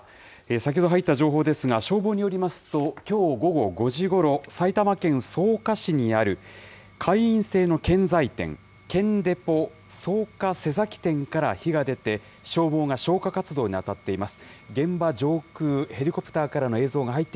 先ほど入った情報ですが、消防によりますと、きょう午後５時ごろ、埼玉県草加市にある会員制の建材店、会員制の建材店、建デポ草加瀬崎店から火が出て、消防が消火活動に当たっています。